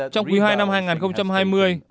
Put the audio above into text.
trong quý ii năm hai nghìn hai mươi